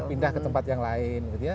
pindah ke tempat yang lain